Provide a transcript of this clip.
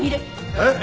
えっ？